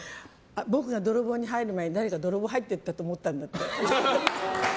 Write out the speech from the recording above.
僕が泥棒に入る前に誰か泥棒が入っていったと思ったんだって。